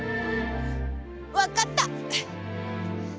わかった！